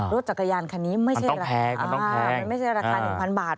รถจากกระยานคันนี้ไม่ใช่ราคา๑๐๐๐บาท